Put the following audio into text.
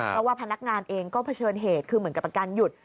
เพราะว่าพนักงานเองก็เผชิญเหตุคือเหมือนกับประกันหยุด